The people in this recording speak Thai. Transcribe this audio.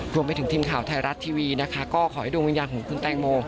รวมไปถึงทีมข่าวไทยรัฐทีวีนะคะก็ขอให้ดวงวิญญาณของคุณแตงโม